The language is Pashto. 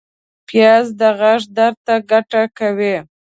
پیاز د غاښ درد ته ګټه کوي